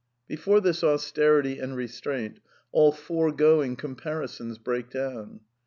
Before this austerity and restraint all foregoing compari sons break down.